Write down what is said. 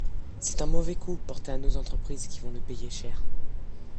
C’est un mauvais coup porté à nos entreprises qui vont le payer cher.